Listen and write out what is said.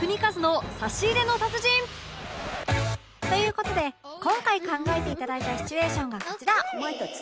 という事で今回考えて頂いたシチュエーションがこちら